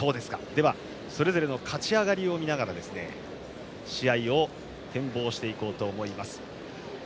それぞれの勝ち上がりを見ながら試合を展望していこうと思います。